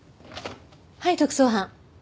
はい特捜班。